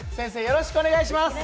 よろしくお願いします。